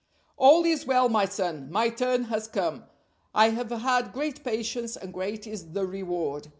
"All is well, my son. My turn has come. I have had great patience, and great is the reward."